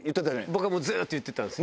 僕はもうずっと言ってたんです。